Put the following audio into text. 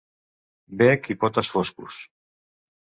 Bec i potes foscos.